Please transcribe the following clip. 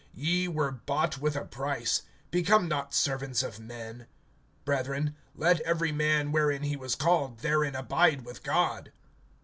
(23)Ye were bought with a price; become not servants of men. (24)Brethren, let every man, wherein he was called, therein abide with God.